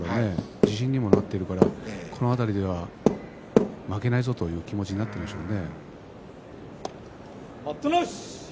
自信にもなっているのでこの辺りでは負けないぞという気持ちになっているんでしょうね。